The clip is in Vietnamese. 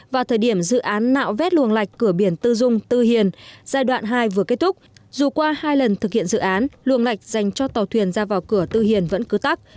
vào thời điểm dự án nạo vét luồng lạch cửa biển tư dung tư hiền giai đoạn hai vừa kết thúc dù qua hai lần thực hiện dự án luồng lạch dành cho tàu thuyền ra vào cửa tư hiền vẫn cứ tắt